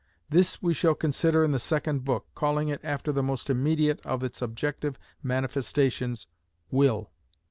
This we shall consider in the second book, calling it after the most immediate of its objective manifestations—will.